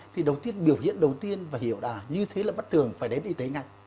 thì đầu tiên biểu diễn đầu tiên và hiểu là như thế là bất thường phải đến y tế ngay